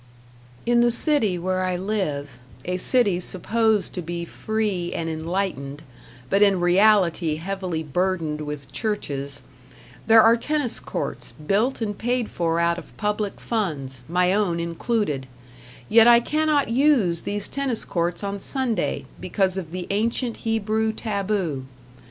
In the city where I live, a city supposed to be free and enlightened, but in reality heavily burdened with churches, there are tennis courts built and paid for out of public funds, my own included; yet I cannot use these tennis courts on Sunday, because of the ancient Hebrew taboo.